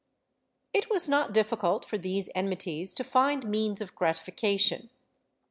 ^ It was not difficult for these enmities to find means of gratifi cation.